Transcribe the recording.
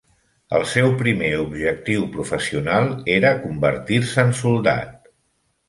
El seu primer objectiu professional era convertir-se en soldat.